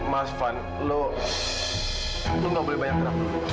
mas van lo nggak boleh banyak terangkan